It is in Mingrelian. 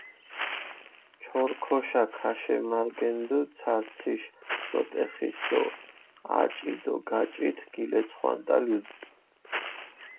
ჩორქოშა ქაშემარგენდჷ ცარციშ ნოტეხის დო აჭი დო გაჭით გილეცხვანტალუდჷ.